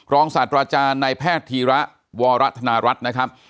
รองสัตว์อาจารย์ในแพทย์ธีระวรัฐนารัฐนะครับ